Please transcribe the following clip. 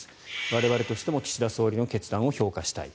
我々としても岸田総理の決断を評価したい。